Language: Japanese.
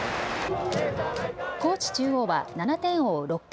高知中央は７点を追う６回。